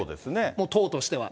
もう党としては。